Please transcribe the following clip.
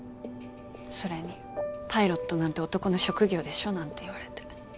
それにパイロットなんて男の職業でしょなんて言われて。